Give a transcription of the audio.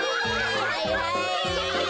はいはい。